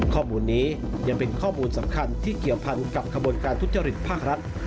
ข้อมูลนี้ยังเป็นข้อมูลสำคัญที่เกี่ยวพันกับขบวนการทุจริตภาครัฐ